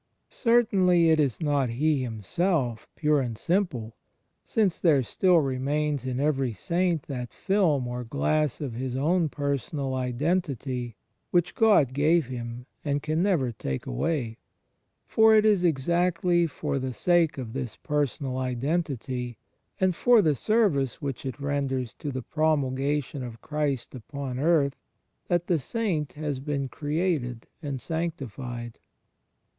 Certainly it is not He Himself, ^ Matt. V : 14. ' Col. iii : 3. 7 82 TBE FRIENDSHIP OF CHRIST p\ire and simple; since there still remains in every saint that fihn or glass of his own personal identity which God gave him and can never take away. For it is exactly for the sake of this personal identity, and for the service which it renders to the promulgation of Christ upon earth, that the saint has been created and sanctified.